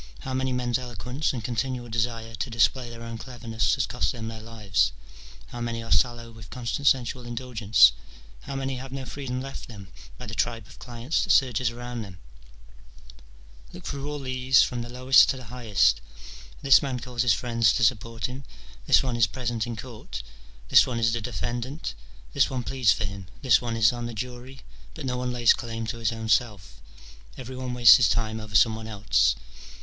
how many men's eloquence and continual desire to display their own cleverness has cost them their lives ?^ how many are sallow with constant sensual indulgence ? how many have no freedom left them by the tribe of clients that surges around them ? Look through all these, from the lowest to the highest :— this man calls his friends to support him, this one is present in court, this one is the defendant, this one pleads for him, this one is on the jury : but no one lays claim to his own self, every one wastes his time over some one else.